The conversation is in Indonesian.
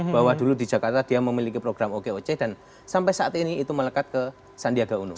bahwa dulu di jakarta dia memiliki program okoc dan sampai saat ini itu melekat ke sandiaga uno